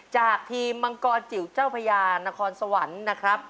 จากทีมมังกรจิ๋วเจ้าพญานครสวรรค์นะครับ